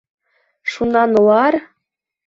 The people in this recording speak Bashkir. Шунан улар: